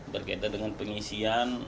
berkaitan dengan pengisian